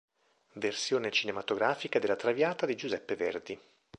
Versione cinematografica della Traviata di Giuseppe Verdi.